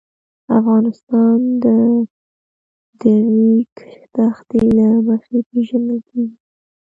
افغانستان د د ریګ دښتې له مخې پېژندل کېږي.